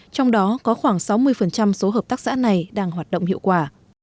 trong đó có khoảng sáu mươi số hợp tác xã này đang hoạt động hiệu quả